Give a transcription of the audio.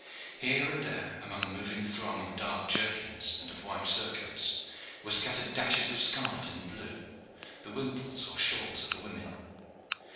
Here and there among the moving throng of dark jerkins and of white surcoats were scattered dashes of scarlet and blue, the whimples or shawls of the women.